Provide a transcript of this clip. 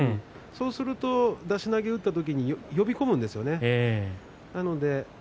そうすると出し投げを打った時に呼び込むようになるんですよね。